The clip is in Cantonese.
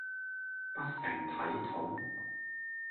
不成體統